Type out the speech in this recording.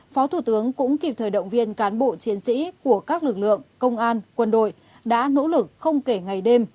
phó thủ tướng cũng kịp thời động viên cán bộ chiến sĩ của các lực lượng công an quân đội đã nỗ lực không kể ngày đêm